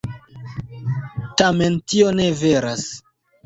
Tamen tio ne veras.